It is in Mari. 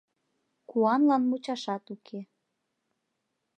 Куанлан мучашат уке.